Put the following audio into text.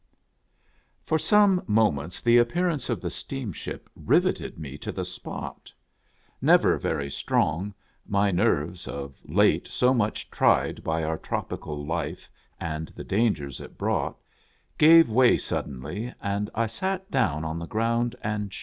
^OR some moments the appearance of the steamship rivet ed me to the spot. Never very strong, my nerves, of late so much tried by our tropical life and the dangers it brought, gave way sudden ly, and I sat down on the ground and